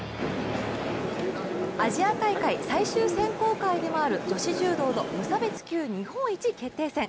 アジア大会最終選考会でもある女子柔道の無差別級日本一決定戦。